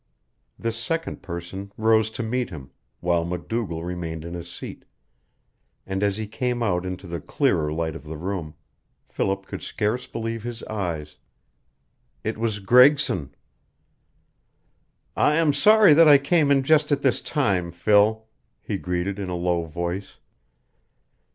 This second person rose to meet him, while MacDougall remained in his seat, and as he came out into the clearer light of the room Philip could scarce believe his eyes. It was Gregson! "I am sorry that I came in just at this time, Phil," he greeted, in a low voice.